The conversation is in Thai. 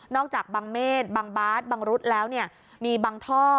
จากบังเมษบังบาสบังรุษแล้วเนี่ยมีบางท่อ